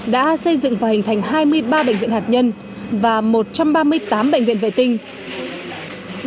hai nghìn một mươi tám đã xây dựng và hình thành hai mươi ba bệnh viện hạt nhân và một trăm ba mươi tám bệnh viện vệ tinh